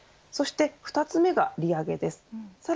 そして２つ目が利上げです。